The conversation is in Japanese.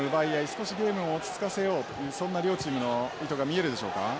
少しゲームを落ち着かせようというそんな両チームの意図が見えるでしょうか？